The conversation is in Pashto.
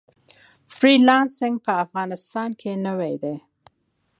فری لانسینګ په افغانستان کې نوی دی